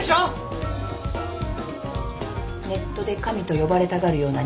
ネットで神と呼ばれたがるような人間のプロファイル。